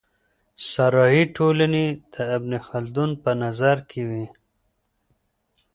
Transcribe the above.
صحرايي ټولني د ابن خلدون په نظر کي وې.